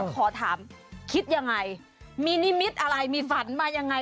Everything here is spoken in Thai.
ขอถามคิดยังไงมีนิมิตรอะไรมีฝันมายังไง